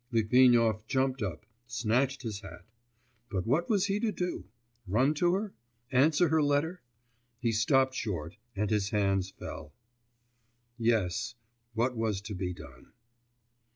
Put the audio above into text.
Litvinov jumped up, snatched his hat. But what was he to do? Run to her? Answer her letter? He stopped short, and his hands fell. 'Yes; what was to be done?